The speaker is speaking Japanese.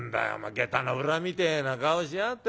げたの裏みてえな顔しやがって。